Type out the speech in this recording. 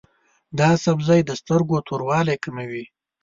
دا سبزی د سترګو توروالی کموي.